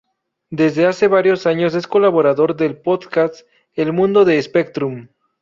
Desde hace varios años es colaborador del podcast "El mundo de Spectrum".